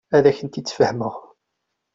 Ad ak-t-id-sfehmeɣ.